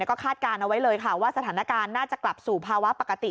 ก็คาดการณ์เอาไว้เลยค่ะว่าสถานการณ์น่าจะกลับสู่ภาวะปกติ